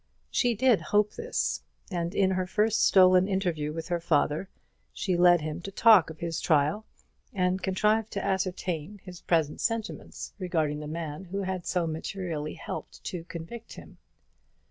She did hope this; and in her first stolen interview with her father, she led him to talk of his trial, and contrived to ascertain his present sentiments regarding the man who had so materially helped to convict him.